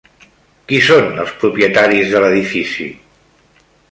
Qui són els propietaris de l'edifici?